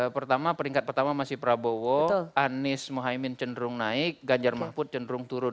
pertama peringkat pertama masih prabowo anies mohaimin cenderung naik ganjar mahfud cenderung turun